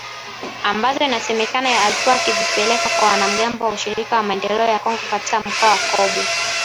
Ambazo inasemekana alikuwa akizipeleka kwa wanamgambo wa Ushirika kwa Maendeleo ya Kongo katika mkoa wa Kobu.